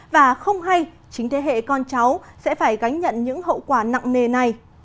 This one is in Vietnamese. và không hay chính thế hệ con cháu sẽ phải gánh nhận những hậu quả nặng nề này